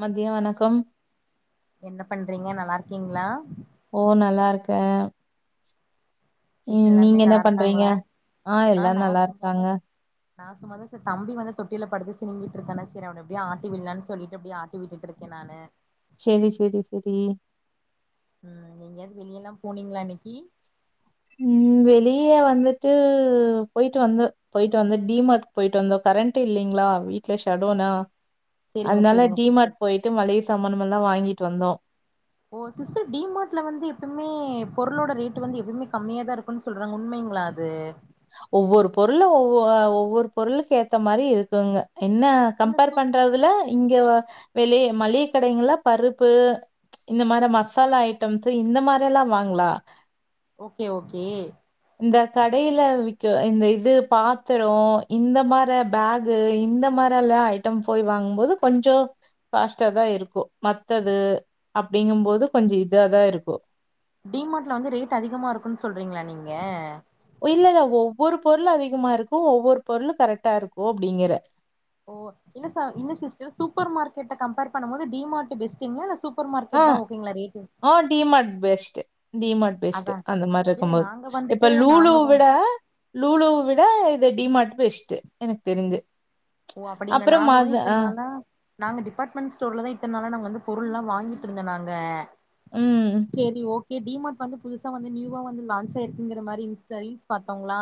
மத்திய வணக்கம் என்ன பண்றீங்க நல்லா இருக்கீங்களா ஓ நல்லா இருக்கே வீட்ல ம் நீங்க எல்லாருமே என்ன நல்லா பண்றீங்க இருக்காங்களா ஆ எல்லாரு நா நல்லா சும்மாதா இருக்காங்க நா சும்மாத சார் தம்பி வந்து தொட்டில படுத்து சுனும்மிட்டு இருக்கானா செரி அவன அப்டியே ஆட்டி விடலான்னு சொல்லிட்டு அப்டியே ஆட்டி விட்டுட்ருக்கே நானு சேரி சேரி சேரி ம் எங்கயாவது வெளியல்லா போனீங்களா இன்னைக்கி ம் வெளிய வந்துட்டு போயிட்டு வந்தே போயிட்டு வந்த டிமார்ட் போயிட்டு வந்த கரண்ட் இல்லலைங்களா வீ ட்ல ஓ ஷடவ்னா சேரிங்க அதனால சேரிங்க சிஸ்டர் டிமார்ட் போயிட்டு மள்ளிக சாமானமல்லா வாங்கிட்டு வந்தோ மே பொருளோட ரேட்டு வந்து எப்பவுமே கம்மியா தா இருக்குன்னு சொல்றாங்க உண்மைங்களா அது ஒவ்வொரு பொருள ஒவ்வொ ஒவ்வொரு பொருளுக்கேத்த மாரி இருக்குங்க என்ன இல்ல கம்பேர் சு பண்றதுல இங்க வெளிய மளிக கடைகள்ள பருப்பு இந்த மாரி மசாலா ஐட்டம்ஸ் இந்த மாரி எல்லா வாங்ளா ஓகே ஓகே லா விக்க இந்த இது பாத்திரோ இந்த மார பேகு இந்த மாரலா ஐட்டம் போய் வாங்கும்போது கொஞ்சோ காஸ்ட்டாதா இருக்கு மத்தது அப்டிங்கும்போது கொஞ்சோ இதாதா இருக்கு டிமார்ட்ல வந்து ரேட் அதிகமா இருக்குன் சொல்றீங்களா நீங்க இல்ல இல்ல ஒவ்வொரு பொருளு அதிகமா இருக்கு ஒவ்வொரு பொருளு கரெக்டா இருக்கு அப்டிங்குற ஓ இல்ல சா இல்ல சிஸ்டர் சூப்பர் மார்க்கெட்ட கம்பேர் பண்ணும் போது டி மார்ட் பெஸ்ட்ங்களா? இல்ல சூப் பர் ஆ, மார்க்கெட்தா ஓங்களா ரே ஆ டி மார்ட் பெஸ்ட் டிமார்ட் அதா பெஸ்ட் அந்த மாரி இல்ல இருக்கும்போது நாங்க வந்துட்டு இப்ப லூலு நாங்க வந் விட ஆ லூலு விட இந்த டிமார்ட் பெஸ்ட் எனக்கு தெரிஞ்சு ஓ அப்படிங்க அப்புறம் நாங்க மத வந்து இப்ப ஆ, என்னன்னா நாங்க டிபார்ட்மெண்ட் ஸ்டோர்ல தா இத்தன் நாளா நாங்க வந்து பொருள்லா வாங்கிட்ருந்த நாங்க ம். சேரி ஓ கே டி மார்ட் வந்து புதுசா வந்து நியூவா வந்து லான்ச் ஆயிருக்குங்கிற மாறி இன்ஸ்டா ரீல்ஸ் பாத்தோங்களா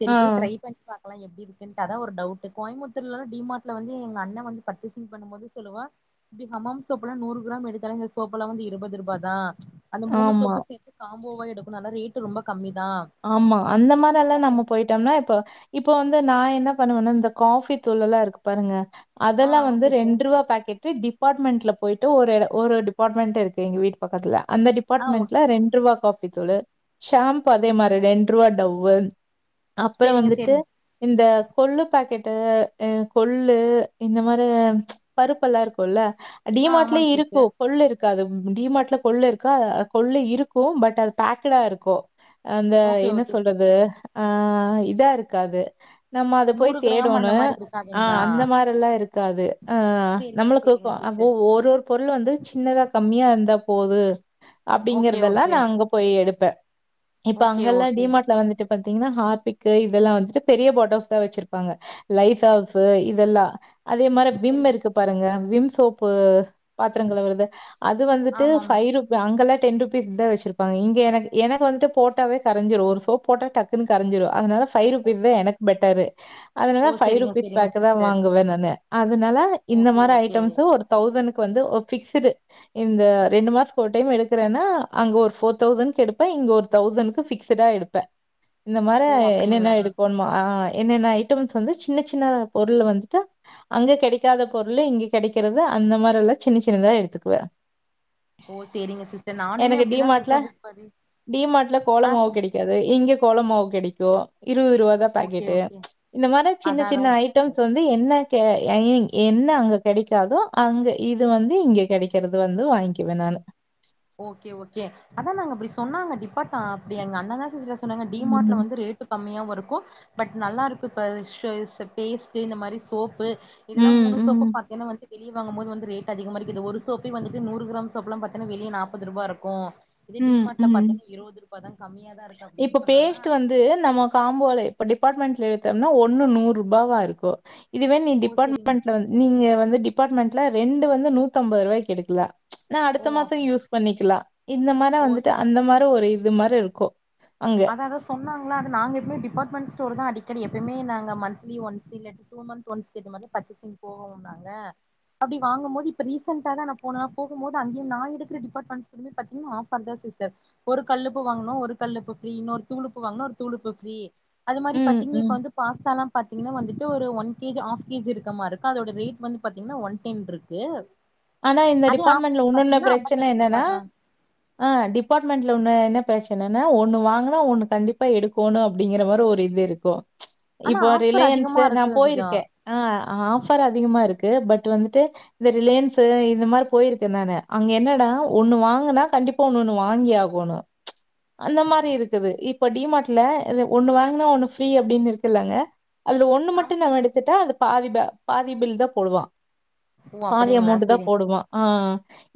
செரி ஆ, போய் ட்ரை பண்ணி பாக்கலா எப்டி இருக்குன்ட்டு அதா ஒரு டவுட்டு கோயம்புத்தூர்லலா டிமார்ட்ல வந்து எங்க அண்ண வந்து பர்ச்சேசிங் பண்ணும் போது சொல்லுவா இங்கெ ஹமாம் சோப்புலா நூறு கிராம் எடுத்தாலே இந்த சோப்பெல்லா வந்து இருபது ரூபா தா அந்த மூணு ஆமா. சோப்பு சேத்து காம்போவா எடுக்குறனால ரேட்டு ரொம்ப கம்மி தா ஆமா அந்த மாரெல்லா நம்ம போயிட்டம்னா இப்ப இப்ப வந் தா நா என்ன பண்ணுவனா இந்த காஃபி தூளெல்லா இருக்கு பாருங்க ஆ அதெல்லா ஆமா வந்து சிஸ்டர் ரெண்ட் ரூவா பாக்கெட்டு டிப் ப்பார்ட்மெண்ட்ல போயிட்டு ஒரேரு ஒரு டிபார்ட்மெண்ட் இருக்கு எங்க வீட்டு பக்கத்துல அந்த ஆ ஓ டிபார்ட்மெண்ட்ல ரெண்ட் ரூவா காஃபி தூளு ஷாம்பு அதே மாரி ரெண்டு ரூவா டவ்வு அப்பற செரிங்க வந்துட்டு செரிங்க இந்த கொள்ளு பாக்கெட்டு அ கொள்ளு இந்த மாரி பருப்பெல்லா இருக்குல்ல டி ஆ மார்ட்லயே ஆமாங்க சிஸ்டர் இருக்கு கொள்ளு இருக் காது டி மார்ட்ல கொள்ளு இருக்கா கொள்ளு இருக்கு பட் அது பேக்குடா இருக்கு அந்த ஓகே என்ன ஓகே சொல்றது சிஸ்டர் ஆ இதாருக்காது நம்ம அத நூறு போய் கிராம் அந்த தேடோனு மாரி ஆ இருக்காதுங்களா அந்த மாரெல்லா இருக் க்காது ஆ சேரி நம்மளுக்கு சேரிங்க இருக்கு அப்டியே சிஸ்டர் ஒரு ஒரு பொருளு வந்து சின்னதா கம்மியா இருந்து தாபோது ஓகே அப்டிங்கிறதெல்லா ஓகே நா அங்க போய் எடுப்பே இப்ப ஓகே அங்கெல்லா ஓகே டிமார்ட்ல வந்துட்டு பாத்தீங்கனா ஹார்பிக்கு இதெல்லா வந்துட்டு பெரிய பாட்டல்ஸ் தா வெச்சிருப்பாங்க லைசால்சு இதெல்லா அதே மாரி விம் சேரிங்க இருக்கு பாருங்க விம் சோப்பு பாத்தரங்கழுவுறது அது வந்துட்டு ஆமாம் ஃபை ருபி அங்கலா டென் ருபீஸ்க்கு தா வெச்சிருப்பாங்க இங்கெ எனக்கு எனக்கு வந்துட்டு போட்டாவே கரஞ்சிரு ஒரு சோப் போட்டா டக்குன்னு கரஞ்சிரு அதனால ஓ ஃபைருபீஸ் தா எனக்கு பெட்டரு அதனால ஓ ஃபை சேரிங்க ருபீஸ் சேரிங்க பேக்கு தா சிஸ்டர் வாங்குவே நானு அதுனால இந்த ஓகே மாரி ஓகே ஐட்டம்ஸு ஒரு தௌசணுக் க்கு வந்து அ ஃபிக்சுடு இந்த ரெண்டு மாசத்துக்கு ஒரு டைம் எடுக்கிறேன்னா அங்க ஒரு ஃபோர் தௌசண்க்கு எடுப்பே இங்க ஒரு தௌஸணுக்கு ஃபிஸ்சடா எடுப்பே இந்த மொற ஓ என்னென்ன அப்டிங்களா எடுக்கணும்மா என்னென்ன ஐட்டம்ஸ் வந்து சின்ன சின்ன பொருளு வந்துட்டு அங்க கெடைக்காத பொருளு இங்க கெடைக்கிறது அந்த மாரெல்லா சின்ன சின்னதா எடுத்துக்குவே ஓ சேரிங்க சிஸ்டர் நானுமே அப்டிதா சிஸ்டர் பாதி டி மார்ட்ல கோல மாவு கெடைக்காது இங்கெ கோல மாவு கெடைக்கு இருவது ரூவா தா ஓகே பாக்கெட்டு ஓகே இந்த மார்தா சின்ன அதா சின்ன அதாங்க சிஸ்டர் ஐட்டம்ஸ் வந்து என்ன கே ஐ மீன் என்ன அங்க கெடைக்காதோ அங்க இது வந்து இங்க கெடைக்கிறது வந்து வாங்கிவே நா னு ஓகே ஓகே அதா நாங்க அப்டி சொன்னாங்க அப்டி இப்பத்தா அப்டி எங்க அண்ணதா சிஸ்டர் சொன்னாங்க டி மார்ட்ல ம். வந்து ரேட்டு கம்மியா வர் க்கு பட் நல்லா இருக்கு பல் ஸ்ட்ரைசர் பேஸ்ட்டு இந்த மாரி சோப்பு இதெல்லா ம், மூணு சோப்பு ம். பாத்தேன்னா வந்து வெளிய வாங்கம்போது வந்து ரேட்டு அதிகமா இருக்குது ஒரு சோப்பே வந்துட்டு நூறு கிராம் சோப்புலா பத்தீனா வெளிய நாப்பது ரூவாருக்கு இதே டி ம், மார்ட்ல ம். பாத்தனா இருவது ரூபா தா கம்மியா தா இருக் இப்ப பேஸ்ட்டு வந்து நம்ம காம்போல இப்ப டிபார்ட்மெண்ட் ட்ல எடுத்தம்னா ஒன்னு நூற்ரூபாவா இருக்கு இதுவே நீ ஓ செரிங் டிபார்ட்மெண்ட்ல வந் நீங்கெ வந்து டிபார்ட்மெண்ட்ல ரெண்டு வந்து நூத்தம்பது ரூவாய்க்கு எடுக்கலா நா ஓ அடுத்த மாச அப் யூஸ் பண்ணிக்குலா இந்த மார்லா ஓ வந்துட்டு அந்த மாரி ஒரு இது மாரி இருக்கு அதாதா சொன்னாங்ளா அது நாங்க எப்பமே டிபார்ட்மெண்ட் ஸ்டோரு தா அடிக் க்கடி எப்பயுமே நாங்க மந்த்லி ஒன்ஸு இல்லாட்டி டூ மந்த் ஒன்ஸுக்கு ஏத்த மாரிதா பர்ச்சேசிங் போவோ நாங்க அப்டி வாங்கம் போது இப்ப ரீசென்ட்டா தா நா போனே போகும் போது அங்கே நா எடுக்கிற டிபார்ட்மெண்ட் ஸ்டோர்லயுமே பாத்தீங்கனா ஆஃபர் தா சார் சார் ஒரு கல்லுப்பு வாங்குனா ஒரு கல்லுப்பு ஃப்ரீ இன்னொரு ஒரு தூளுப்பு வாங்குனா ஒரு தூள் உப்பு ஃப்ரீ அது மாரி ம், பாத்திங்னா ம். இப்ப வந்து பாஸ்தாலா பாத்தீங்னா வந்துட்டு டு ஒரு ஒன் கேஜி ஆஃப் கேஜி இருக்க மாருக்கு அதோட ரேட் வந்து பாத்தீங்னா ஒன் டென் இருக்கு ஆனா இந்த அதே டிபார்ட்மெண்ட்ல ஆஃபர்ல உன்னொன்னு பாத்தீங்கன்னா பிரச்சன அம்பத்தஞ்சு ரூபா என்னென்னா தா ஆ டிபார்ட்மெண்ட்ல ஒன்னு என்ன டாய்ச்சுனனா ஒன்னு வாங்கனா ஒன்னு கண்டிப்பா எடுக்கோணு அப்டிங்கிற மாரி ஒரு இது இருக்கூ ஆனா இப்போ ஆஃபர் ரிலையன்ஸ் அதிகமா நா இருக்கு அதிகோ போயிருக்கே ஆ ஆஃபர் அதிகமாருக் பட் வந்துட்டு இந்த ரிலேன்ஸ் இந்த மாரி போயிருக்கே நானு அங்க என்னடா ஒன்னு வாங்கனா கண்டிப்பா உன்னொன்னு வாங்கி ஆகணு அந்த மாரி இருக்குது இப்ப டி மார்ட்ல ஒன்னு வாங்குனா ஒன்னு ஃப்ரீ அப்டின் இருக்குல்லங்க அதுல ஒன்னு மட்டு நம்ம எடுத்துட்டா அது பாதி ப பாதிபில் தா போடுவா ஓ அப்படிங்களா ஸ் தா போடுவா ஆ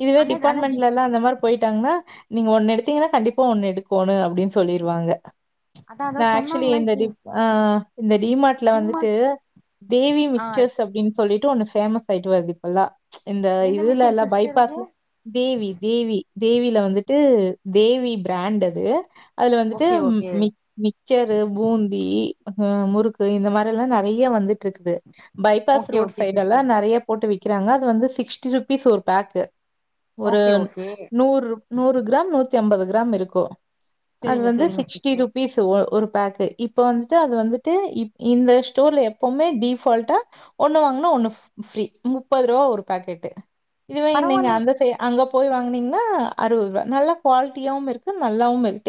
இதுவே ஆனா டி டிபார்ட்மெண்ட்லலா அந்த மாரி போயிட் டாங்னா நீங்க ஒன்னு எடுத்தீங்கனா கண்டிப்பா ஒன்னு எடுக்கோணு அப்டின் சொல்லிருவாங்க அதா அதா நா ஆக்சுலி சொன்னாங்களா இந்த இப்ப டிப் ஆ இந்த டி மார்ட்ல வந்துட்டு தேவி ஆ மிச்சர்ஸ் அப்டின் சொல்லிட்டு ஒன்னு ஃபேமஸ் ஆயிட்டு வர்து இப்பல்லா இந்த என்ன மிச்சர் இதுலல்லா சிஸ்டர் இது பைபாஸ்ல தேவி தேவி தேவில வந்துட்டு தேவி ப்ராண்ட் அது அதுல வந்துட்டு ஓகே ஓகே மி மிக்சரு பூந்தி ஹ முறுக்கு இந்த மா எல்லாம் நறைய வந்துட்ருக்குது bypass okay road okay sister சைடெல்லா நறைய போட்டு விக்கிறாங்க அது வந்து சிக்ஸ்டி ருபீஸ் ஒரு பேக்கு ஒரு ஓகே ஓகே நூற் நூறு கிராம் நூத்தி அம்பது ஸாம் இருக்கூ அது செரிங்க வந்து செரிங்க சிக்ஸ்டி சிஸ்டர் ருபீஸ் ஒ ஒரு பேக்கு இப்ப வந்துட்டு அது வந்துட்டு இ இந்த ஸ்டோர்ல எப்பவுமே டிஃபால்டா ஒன்னு வாங்குனா ஒன்னு ஃப் ஃப்ரீ முப்பது ரூபா ஒரு பாக்கெட்டு இதுவே நீங்க பரவாயில்லைங்க அந்த சை அங்கப் போய் வாங்குனீங்னா அறுபது ரூபா நல்லா குவாலிட்டியாவுமிருக்கு நல்லாவுமிருக்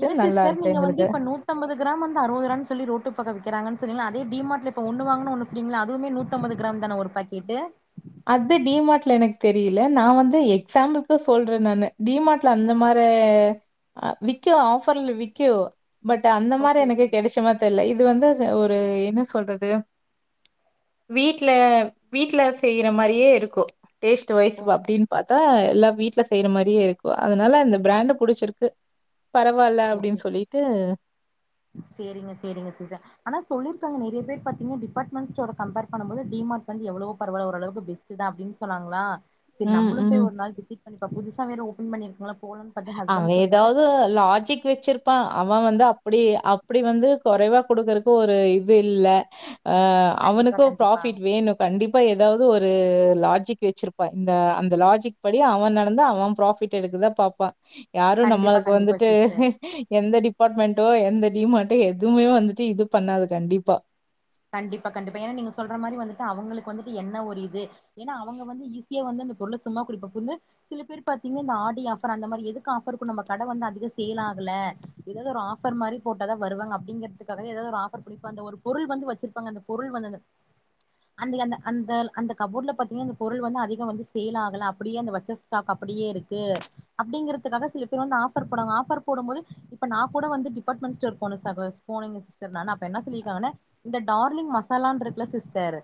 இல்ல சிஸ்டர் நீங்க வந்து இப்ப நூத்தம்பது கிராம் வந்து அறுபதுரூவான் சொல்லி ரோட்டு பக்கோ விக்கிறாங்கன் செரிங்களா அதே டிமார்ட்ல இப்ப ஒன்னு வாங்குனா ஒன்னு ஃப்ரிங்களா அதுமே நூத்தம்பது கிராம் தான ஒரு பாக்கெட்டு அது டி மார்ட்ல எனக்கு தெரியல நா வந்து எக்ஸாம்பில்கு சொல்றே நானு டி மார்ட் ல அந்த மாரே விக்கியூ ஆஃபர்ல விக்கியூ பட் அந்த மாரி ஓகே எனக்கு ஓகே கெடைச்சமா தெர்ல இத் து வந்து ஒரு என்ன சொல்றது வீட்ல வீட்ல செய்ற மாரியே இருக்கூ டேஸ்ட் வைஸ் ஓகே அப்டின் பாத் தா எல்லா வீட்ல செய்ற மாரியே இருக்கூ அதனால அந்த பிராண்டு புடிச்சிருக்கு பரவால்ல அப்டின் சொல்லிட்டு செரிங்க செரிங்க சீச ஆனா சொல்லிருக்காங்க நறைய பேர் பாத்தீங்னா டிபார்ட்மெண்ட் ஸ்டோர கம்பேர் பண்ணும் போது டி மார்ட் வந்து எவ்ளவோ பரவால்ல ஓரளவுக் பெஸ்ட்டு தா அப்டின் சொன்னாங்களா செரி ம் நம்மளு போய் ம் ஒரு நாள் விசிட் பண்ணி பாப் புதுசா வேற ஓபன் பண்ணிருக்கல அவுங் எதாவ்து லாஜிக் வச்சிருப்பா அவ வந்து அப்டி அப்டி வந்து கொறைவா குடுக்குறக்கு ஒரு இது இல்ல ஆஹ கண்டிப்பா அவனுக்கூ கண்டிப்பா ப்ராஃபிட் வேணு கண்டிப்பா எதாவ் கு ஒரு லாஜிக் வச்சிருப்பா இந்த அந்த லாஜிக் படி அவ நடந்து அவ ப்ராஃபிட் எடுக்கதா பாப்பா யாரு கண்டிப்பா நமளுக் கண்டிப்பா வந்துட்டு சிஸ்டர் எந்த டிபார்ட்மெண்டோ எந்த டி மார்ட்டூ எதுவுமே வந்துட்டு இது பண்ணாது கண்டிப்பா கண்டிப்பா கண்டிப்பா ஏனா நீங்க சொல்ற மாதிரி வந்துட்டு அவங்களுக்கு வந்துட்டு என்ன ஒரு இது ஏனா அவங்க வந்து ஈஸியா வந்து இந்த பொருள சும்மா குடிப்ப சொல்ல சில பேர் பாத்தீங்க இந்த ஆடி ஆஃபர் அந்த மாரி எதுக்கு ஆஃபருக்கூ நம்ம கட வந்து அதிக சேலா ஆகல எதாவ்து ஒரு ஆஃபர் மாரி போட்டா தா வருவாங்க அப்டிங்கிறதுக்காக எதாவ்து ஒரு ஆஃபர் பிடிப்ப அந்த ஒரு பொருள் வந்து வச் சிருப்பாங்க அந்த பொருள் வந்து அத அந்த எந்த அந்த அந்த கபோர்ட்ல பாத்தீங்னா பொருள் வந்து அதிகோ வந்து சேல் ஆகல அப்டியே அந்த வச்ச ஸ்டாக் அப் ப்டியே இருக்கு அப்டிங்கிறதுக்காக சில பேர் வந்து ஆஃபர் போடுவாங்க ஆஃபர் போடும் போது இப்ப நா கூட வந்து டிபட் மெண்ட் ஸ்டோர் போனே சகோ போனேங்க சிஸ்டர் நானு அப்ப என்ன சொல்லிருக்காங்கனா இந்த டார்லிங் மசாலான்ட்ருக்குல சிஸ்டர்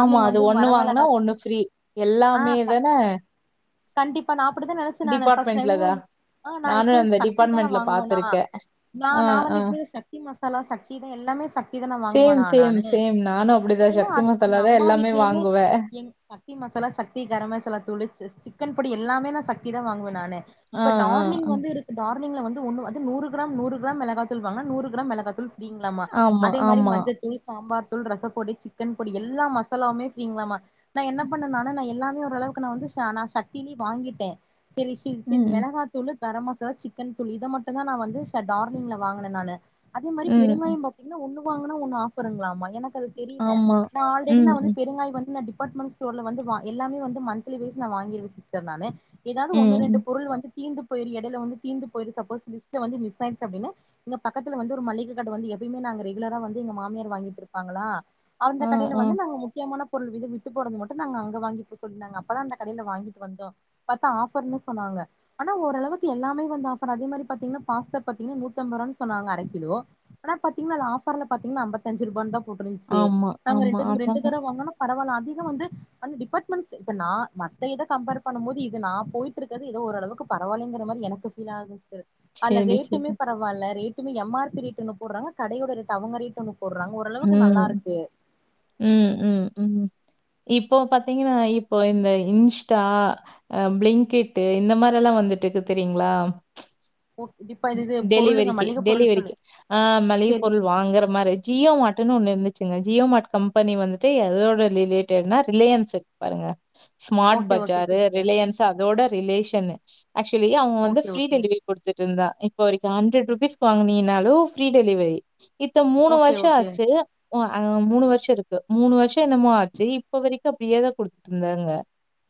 ஆமா அது வந்து ஒன்னு வாங்குனா ஒன்னு வரமிளகாத்தூள் ஃப்ரீ எல்லாமே தானே ப நா அப்டிதா நெனைச்ச நானு ஃபஸ்ட் நெஜமா டிபார்ட்மெண்ட்லதா அது ஆ நா நானும் இப்பந் அந்த சக்தி தானே டிபார்ட்மெண்ட்ல வாங்குவே நா பாத்திருக்கேன் நா ஆ நா ஆ வந்து எப்பமே சக்தி மசாலா சக்தி தா எல்லாமே சக்தி தா நா சேம் வாங்குவேனா சேம் நானு சேம் நானும் அப்படிதான் ஏன்னா சக்தி அது மசாலா எங்க தான் அம்மா எல்லாமே வீடலயுமே வாங்குவேன் எங் சக்தி மசாலா சக்தி கரம் மசாலா தூளு சி சிக்கன் பொடி எல்லாமே நா சக்தி தா வாங்குவே நானு ஆ இப்ப ஆ டார்லிங் ஆ வந்து இருக்கு டா ர்லிங்கல ஒன்னு வாங் வந்து நூறு கிராம் நூறு கிராம் மெளகா தூள் வாங்குனா நூறு கிராம் மெளகா தூள் டிங்ளாமா ஆமா அதே மாரி ஆமா மஞ்சத் சாம்பார் தூள் ரசப்பொடி சிக்கன் பொடி எல்லா மசாலாமே ஃபிரீங்கலாமா நா என்ன பண்ண நானு நா எல்லாமே [unintelligible] ஓரளவுக்கு நா வந்து நா சக்திலி வாங்கிட்டே செரி சின் சின் ம் மெளகாத்துளு கர மசாலா சிக்கன் துளு இத மட்டுதா நா வந்து ச டார்லிங்க்ல வாங்குன நானு அதே மாரி ம் பெருங்காயோ பாத்தீங்ன்னா ஒண்ணு வாங்குனா ஒன்னு ஆஃபருங்களாமா எனக் அது தெரில ஆமா நா ஆல்ரெடி நா ம் வந்து ம் பெருங்காயோவந்து நா டி டிபார்ட்மெண்ட் ஸ்டோர்ல வந்து வ எல்லாமே வந்து மந்த்லி வைஸ் நா வாங்கிருவே சிஸ்டர் நானு ஏதாவது ம் ஒன்னு ரெண்டு ம். பொருள் வந்து தீந்து இப்பே எடையில வந்து தீர்ந்து போயிடுச்சு அப்போ மிஸ் லிஸ்ட்ல வந்து மிஸ்சாயிடுச்சு அப்டின்னா பக்கத்துல வந்து ஒரு மல்லிகை கட வந்து எப்பயிமே நாங்க ரெகுலரா வந்து எங்க மாமியார் வாங்கிட்டு இருப்பாங்களா அந்த ஆ கடையில ஆ வந்து நாங்க முக்கியமான பொருள் கிளு விட்டு போனது மட்டு நாங்க அங்க வாங்கிக்க சொன்னாங்க அப்பதா அந்த கடையில வாங்கிட்டு வந்தோ பாத்தா ஆஃபர்னு சொன்னாக ங்க ஆனா ஓரளவுக்கு எல்லாமே வந்து ஆஃபர் அதே மாரி பாத்தீங்ன்னா பாஸ்தா பாத்தீங்ன்னா நூத்தம்பதுரூவா சொன்னாங்க அரை கிலோ ஆனா பாத்தீங்ன்னா ஆஃபர்ல பாத்தீங்ன்னா ஆம்பத்தஞ்சு ரூவா தா போட்டுருந்துச்சு ஆமா நாங்க ஆமா ரெண்ட் ரெண்டு அதாங்க தரவ வாங்குனோ பரவல அதிகோ வந்து அந்த டிபார்ட்மெண்ட் ஸ்ட் இப்ப நா மத்த இத கம்பேர் பண்ணும் போது இது நா போய்ட்டுருக்கது ஓரளவுக்கு பரவால்லைங்கர மாரி எனக்கு பீலாகுது ட்டு அதுல சரி ரேட்டுமே சரி பரவால்ல ரேட்டுமே எம் ஆர் பி ரேட் ன்னு போடுறாங்க கடையோட ரேட் அவங்க ரேடோன்னு போடுறாங்க போடுறாங்க ஓரளவுக்கு ம் நல்லாருக்கு ம் ம் ம் இப்போ பாத்தீங்ன்னா இப்போ இந்த இன்ஸ்டா அ பிளிங்கெட்டு இந்த மார்லா வந்துட் துக்கு தெரியீங்ளா இப்ப இது இது பொருளுங்க டெலிவரிக்கி மளிகை பொருள் சொல்லு டெலிவரிக்கி ஆ மளிக சரிங்க பொருள் வாங்கற மாரி ஜியோ மாட்டுனு ஒண்ணு இருந்து ஜியோ ஜியோமார்ட் கம்பெனி வந்துட்டு எதோட ரிலேட்டடுனா ரிலையன்ஸ் இருக்கு பாருங்க smart okay okay பஜாரு sister Reliance அதோட ரிலேஷனு ஆக்சுவலி அவங்க வந்து ஓகே ஃப்ரீ ஓகே டெலிவரி கொடுத்துட்டுருந்தா இப்ப வரைக்கு ஹண்ரேட் ருபீஸ் வாங்குனிங் னாலு ஃப்ரீ டெலிவரி இப்போ மூணு ஓகே வருஷோ ஓகே ஆச்சு அ ஆ மூணு வருஷோ இருக்கு மூணு வருஷோ என்னமோ ஆச்சு இப்ப வரைக்கு அப்டியே தா குடுத்துட்டுருந்தாங்க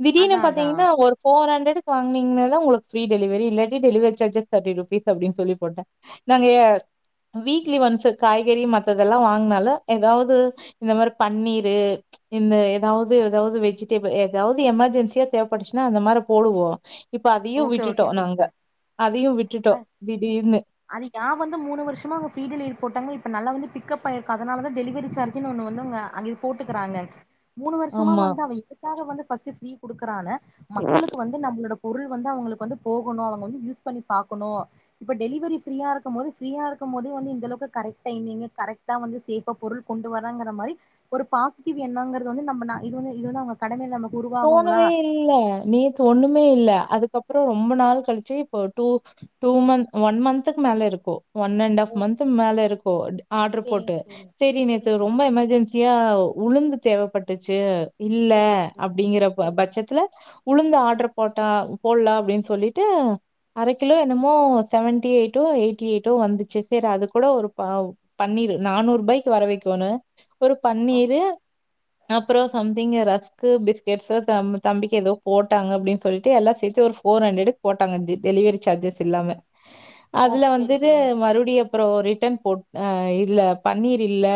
திடீர்னு அதா அதா பாத்தீங்ன்னா ஒரு ஃபோர் ஹண்ட்ரேடு துக் வாங்குனீங்கன்னாதா உங்களுக்கு ஃப்ரீ டெலிவரி இல்லாட்டி டெலிவரி ஜார்ஜஸ் தேட்டி ருபீஸ் அப்டின்னு சொல்லி போட்டே நாங்க எ வீக்லி ஒன்ஸு காய்கறி மத்ததெல்லா வாங்குனாலு ஏதாவது இந்த மாரி பன்னீரு இந்த ஏதாவது ஏதாவது வெஜிடேபிள் ஏதாவது எமர்ஜென்சியா தேவப்படுச்சுன்னா அந்த மாதிரி போடுவோ இப்ப அதையு ஓகே விட்டுட்டோ ஓகே நாங்க சிஸ்டர் அதையு அ விட்டுட்டோ திடீர்னு அது நா வந்து மூணு வருஷமா அவங்க ஃப்ரீ டெலிவரி போட்டாங்க இப்ப நல்லா வந்துட் பிக்கப் ஆயிருக்கு அதனாலதா டெலிவரி சார்ஜுன்னு ஒண்ணு வந்து அவங்க அங்கேயே போட்டுக்கறாங்க மூணு வருஷமா ஆமா வந்து அவே இதுக்காக வந்து ஃபர்ஸ்ட் பிரீ குடுக்கறாள மக்களுக்கு வந்து நம்பளோட பொருள் வந்து அவுங்களுக்கு வந்து போகணு அவங்க வந்து யூஸ் பண்ணி பாக்கணு இப்ப டெலிவரி ஃப்ரீயா இருக்கும் போது பிரீயா இருக்க க்கும் போது வந்து இந்த அளவுக்கு கரெக்ட் டைமிங் கரெக்டா வந்து சேஃப்பா பொருள் கொண்டு வரங்கற மாரி ஒரு பாசிட்டிவு எண்ணோங்கறது வந்து நம்ம நா இது வந்து இது வந்து அவங்க கடமையில நம்ப தோணவே இல்ல நேத்து ஒண்ணுமே இல்ல அதுக்கப்புறோ ரொம்ப நாள் கழிச்சு இப்ப டூ டூ மன்த் ஒன் மன்த்துக்கு மேல இருக்கு ஒன் அண்ட் ஹாப் ஓ மன்த் மேலருக்கு ஆர்டரு செரிங்க போட்டு செரிங்க செரி நேத்து செரிங்க ரொம்ப சிஸ் எமர்ஜென்சியா உளுந்து தேவப்பட்டுச்சு இல்ல செரிங்க சிஸ் அப்டிங்கற பல செரிங்க பட்சத்துல உளுந்து ஆர்டர் போட்டா போலா அப்டின்னு சொல்லிட்டு அரை கிலோ என்னமோ seventy eight o' to eighty eighty வந்துச்சு செரி அது கூட ஒரு ப பன்னீரு நானூறு ரூபாய்க்கு வர வெக்கியுவணு ஒரு ஓ பன்னீரு அப்புறோ சம்திங் ர க்கு பிஸ்கேட்ஸ்சு தம்பிக்கு ஏதோ போட்டாங்க அப்டின்னு சொல்லிட்டு எல்லா சேத்து ஒரு ஃபோர் ஹண்ட்ரேடு போட்டாங்க அஞ்சு டெலிவரி சார்ஜஸ் இல்லாம ஓ அதுல செரி வந்துட்டு செரிங்க மறுபடியு அப்றோ ரிட்டன் போ இல்ல பண்ணீர் இல்ல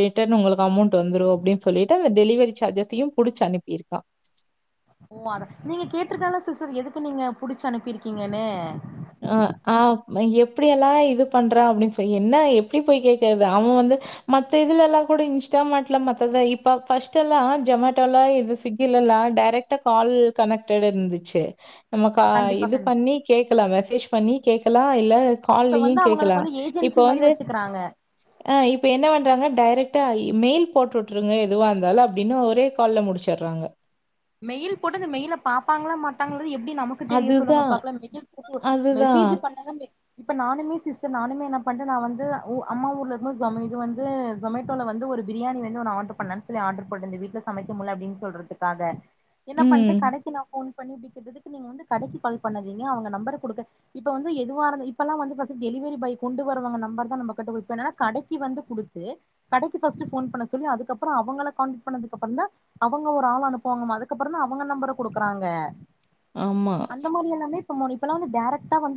ரிட்டர்ன் உங்களுக்கு அமௌண்ட் வந்துரு அப்டின் சொல்லிட்டு அந்த டெலிவரி சார்ஜஸ்ஸயும் புடுச்சு அனுப்பிருக்கா ஓ அதா நீங்க கேட்டிருக்கலால்ல சிஸ்டர் எதுக்கு நீங்க புடுச்சு அனுப்பிருக்கீங்கனு ஆ ஆ எப்டி எல்லா இது பண்றான் அப்டின் என்ன எப்டி போய் கேக்கறது அவன் வந்து மத்த இதுல எல்லா கூட இன்ஸ்டா மாட்ல மத்தத இப்ப ஃபர்ஸ்ட் எல்லா ஜமேட்டோ எல்லா இது ஸ்விக்கி லலெல்லா டைரக்ட்டா கால் கனெக்ட்டடு இருந்துச்சு நமக்கு கண்டிப்பா இது கண்டிப்பா பண்ணி கேக்கலா மெசேஜ் பண்ணி கேக்கலா இல்ல இப்ப கால்யு வந்து கேட்கலா அவங்களுக்கு வந்து இப்ப ஏஜென்சி மாரி வந்து வச்சுக்கிறாங்க ஆ இப்ப என்ன வண்றாங்க டைரெ ட்ட மெயில் போட்டு விட்டுருங்க எதுவா இந்தாலு அப்டினு ஒரே கால்ல முடிச்சிடறாங்க மெயில் போட்டு அந்த மெயில பாப்பாங்ளா மாட்டாங்களா எ ப்டி நமக்கு தெரியு சொல்லுங்க அதுதான், பாக்கலா மெயில் போட்டு அதுதான். மெசேஜ் பண்ணங்க இப்ப நானுமே சிஸ்டர் நானுமே என்ன பண்ட்டு நா வந்து ஊ அம்மா ஊர்ல இருக்கும்போது சொமே இது வந்து ஜொமேட்டோல வந்து ஒரு பிரியாணி வந்து ஒன்னு ஆர்டர் பண்லா சொல்லி ஆர்டர் போட்டிருந்த வீட்ல சமைக்க முடில அப்டின்னு சொல்றதுக்காக என்ன பண்ட்டு ம். கடைக்கு நா போன் பண்ணி இப்படி கேட்டதுக்கு நீங்க வந்து கடைக்கு கால் பண்ணாதீங்க அவுங்க நம்பர குடுக்க இப்ப வந்து எதுவா இப்பெல்லா பசங்க டெலி இவரு பை கொண்டு வருவங்க நம்பர்தா நம்மகிட்ட [unintelligible] இப்ப என்னனா கடைக்கு வந்து குடுத்து கடைக்கு ஃபர்ஸ்ட் ஃபோன் பண்ண சொல்லி அதுக்கப்பறோ அவுங்கள கண்டாக்ட் பண்ணதுக்கு அப்புறந்தா அவுங்க ஒரு ஆள் அனுப்புவாங்க அதுக்கப்பறந்தா அவுங்க நம்பர குடுக்கறாங்க ஆமா மோனி இப்பெல்லா வந்து டேரக்டா வந்து